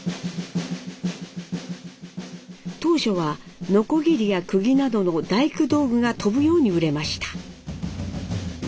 当初はノコギリやクギなどの大工道具が飛ぶように売れました。